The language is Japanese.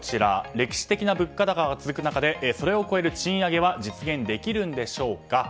歴史的な物価高が続く中でそれを超える賃上げは実現できるんでしょうか。